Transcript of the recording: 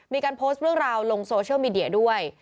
มีการโพสต์เรื่องราวลงโซเชียลมีเดียด้วย